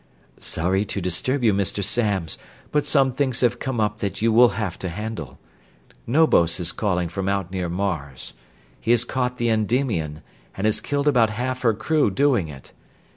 "Sorry to disturb you, Mr. Samms, but some things have come up that you will have to handle. Knobos is calling from out near Mars. He has caught the Endymion, and has killed about half her crew doing it.